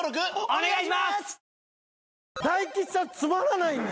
お願いします！